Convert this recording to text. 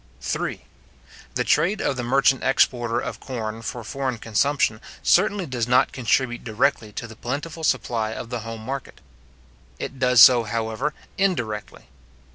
III. The trade of the merchant exporter of corn for foreign consumption, certainly does not contribute directly to the plentiful supply of the home market. It does so, however, indirectly.